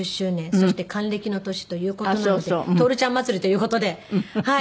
そして還暦の年という事なので徹ちゃんまつりという事ではい。